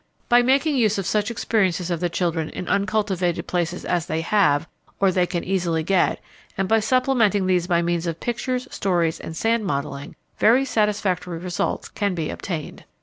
By making use of such experiences of the children in uncultivated places as they have or they can easily get, and by supplementing these by means of pictures, stories, and sand modeling, very satisfactory results can be obtained.